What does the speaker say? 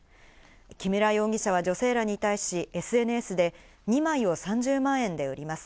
木村容疑者は女性らに対し、ＳＮＳで、２枚を３０万円で売ります。